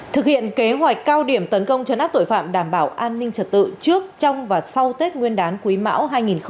thực hiện kế hoạch cao điểm tấn công chấn áp tội phạm đảm bảo an ninh trật tự trước trong và sau tết nguyên đán quý mão hai nghìn hai mươi